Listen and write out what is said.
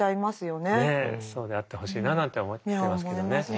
ねえそうであってほしいななんて思ってますけどね。